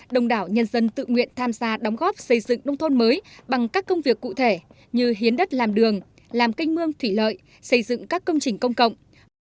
đồng đảo nhân dân tự nguyện tham gia đóng góp xây dựng nông thôn mới bằng các công việc cụ thể như hiến đất làm đường làm canh mương thủy lợi xây dựng các công trình công cộng